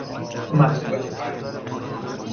محصولات فرعی